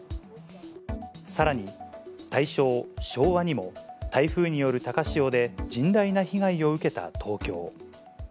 さらに、大正、昭和にも、台風による高潮で甚大な被害を受けた東京。